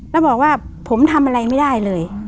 แล้วบอกว่าผมทำอะไรไม่ได้เลย